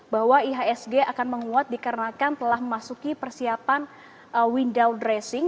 bahwa ihsg akan menguat dikarenakan telah memasuki persiapan window dressing